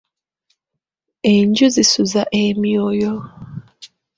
Enju zisuza emyoyo.